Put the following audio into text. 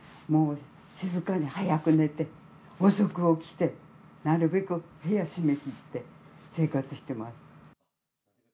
静かに早く寝て、遅く起きてなるべく部屋閉め切って生活してます。